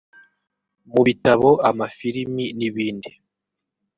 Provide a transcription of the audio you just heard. mu bitabo amafilimi n’ibindi